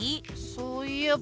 そういえば。